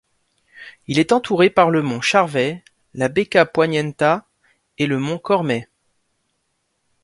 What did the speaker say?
Il est entouré par le mont Charvet, la Becca Poignenta et le mont Cormet.